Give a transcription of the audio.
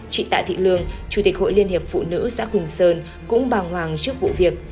chị tạ thị lương chủ tịch hội liên hiệp phụ nữ xã quỳnh sơn cũng bàng hoàng trước vụ việc